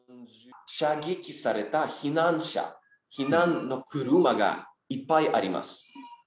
射撃された避難者、避難の車がいっぱいあります。